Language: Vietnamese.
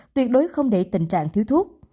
tuyệt đối không để tình trạng thiếu thuốc